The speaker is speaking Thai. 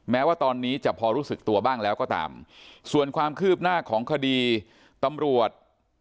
แม้ว่าตอนนี้จะพอรู้สึกตัวบ้างแล้วก็ตามส่วนความคืบหน้าของคดีตำรวจ